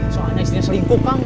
soalnya istrinya selingkuh kang